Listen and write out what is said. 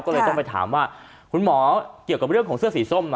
ก็เลยต้องไปถามว่าคุณหมอเกี่ยวกับเรื่องของเสื้อสีส้ม